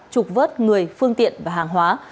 trục vớt người phương tiện và hàng hóa